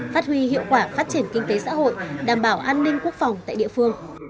phát huy hiệu quả phát triển kinh tế xã hội đảm bảo an ninh quốc phòng tại địa phương